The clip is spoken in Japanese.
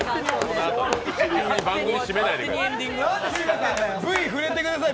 急に番組締めないでください。